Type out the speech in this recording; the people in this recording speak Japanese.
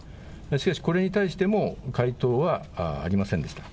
しかしこれに対しても回答はありませんでした。